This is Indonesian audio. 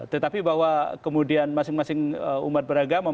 tetapi bahwa kemudian masing masing umat beragama